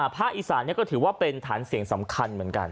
ภาคอีสานก็ถือว่าเป็นฐานเสียงสำคัญเหมือนกัน